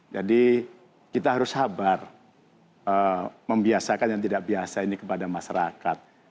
jadi kita harus sabar membiasakan yang tidak biasa ini kepada masyarakat